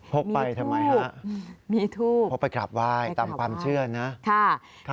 พบไปทำไมคะพบไปกลับไหว้ตามความเชื่อนะมีทูปมีทูป